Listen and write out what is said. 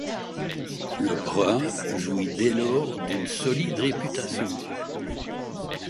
Le Brun jouit dès lors d'une solide réputation.